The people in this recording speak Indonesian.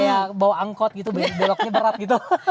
kayak bawa angkot gitu beloknya berat gitu